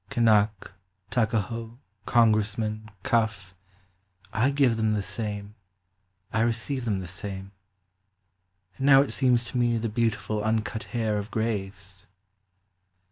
Kanuck, Tuckahoe, Congressman, Cuff, I give them the same, I receive them the same. And now it seems to me the beautiful uncut hair of graves.